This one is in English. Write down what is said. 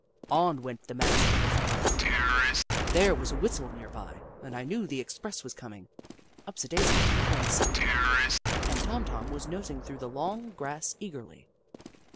On went the mad strucro le for life. There 00 20 The Book of Clever Beasts was a whistle near by, and I knew the express was coming. Upsidaisi was nowhere in sight, and Tom Tom was nosing through the long grass eagerly.